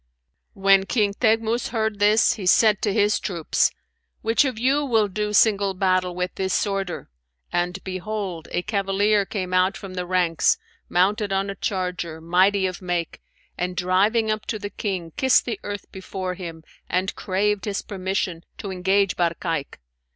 When King Teghmus heard this, he said to his troops, 'Which of you will do single battle with this sworder?' And behold, a cavalier came out from the ranks, mounted on a charger, mighty of make, and driving up to the King kissed the earth before him and craved his permission to engage Barkayk.